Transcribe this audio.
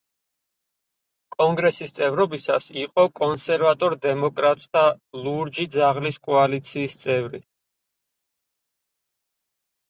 კონგრესის წევრობისას, იყო კონსერვატორ დემოკრატთა „ლურჯი ძაღლის კოალიციის“ წევრი.